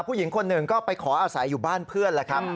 ผู้หญิงคนหนึ่งก็ไปขออาศัยอยู่บ้านเพื่อนแล้วครับ